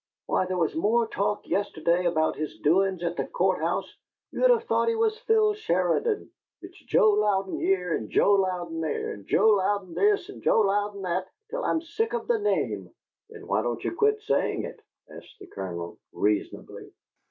Why, there was more talk yesterday about his doin's at the Court house you'd of thought he was Phil Sheridan! It's 'Joe Louden' here and 'Joe Louden' there, and 'Joe Louden' this and 'Joe Louden' that, till I'm sick of the name!" "Then why don't you quit saying it?" asked the Colonel, reasonably.